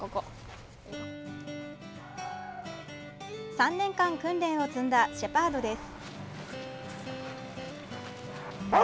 ３年間訓練を積んだシェパードです。